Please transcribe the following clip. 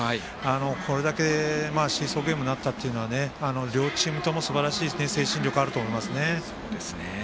これだけシーソーゲームなったというのは両チームとも、すばらしい精神力あると思いますね。